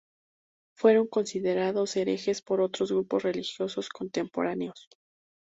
Fueron considerados herejes por otros grupos religiosos contemporáneos.